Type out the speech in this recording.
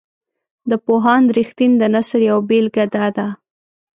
د پوهاند رښتین د نثر یوه بیلګه داده.